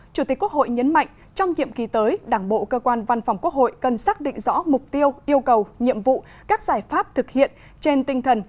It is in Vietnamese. chủ tịch quốc hội nhấn mạnh trong nhiệm kỳ tới đảng bộ cơ quan văn phòng quốc hội cần xác định rõ mục tiêu yêu cầu nhiệm vụ các giải pháp thực hiện trên tinh thần